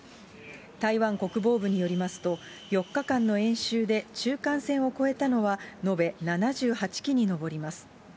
台湾国防部によりますと、４日間の演習で、中間線を越えたのは延べ７８機に上ります。